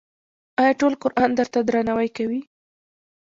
آیا ټول قرآن ته درناوی کوي؟